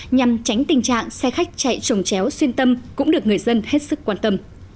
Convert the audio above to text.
nhằm tránh tình trạng xe khách chạy trồng chéo xuyên tâm cũng được người dân hết sức quan tâm